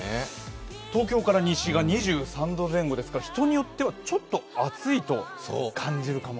東京から西が２３度前後ですから、人によってはちょっと暑いと感じるかも。